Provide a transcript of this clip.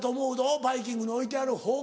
バイキングに置いてあるほうが。